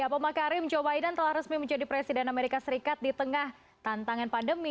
bapak makarim joe biden telah resmi menjadi presiden amerika serikat di tengah tantangan pandemi